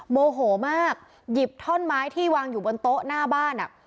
โมโหมากหยิบท่อนไม้ที่วางอยู่บนโต๊ะหน้าบ้านอ่ะ